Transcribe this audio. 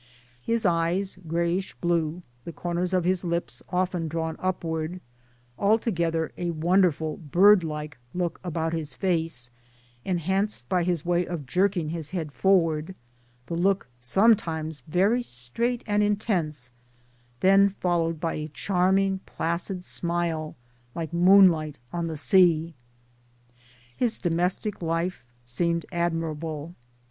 His eyes greyish blue, the corners of his lips often drawn upward altogether a wonderful bird like look about his face, enhanced by his way of jerking his head forward the look sometimes very straight and intense, then followed by a charming placid smile like moonlight on the sea. His domestic life seemed adrnirable.